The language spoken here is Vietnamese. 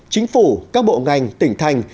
chính phủ các bộ ngành tỉnh thành